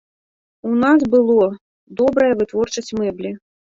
У нас было добрая вытворчасць мэблі.